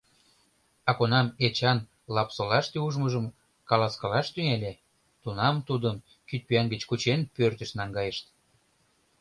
А кунам Эчан Лапсолаште ужмыжым каласкалаш тӱҥале, тунам тудым, кидпӱан гыч кучен, пӧртыш наҥгайышт.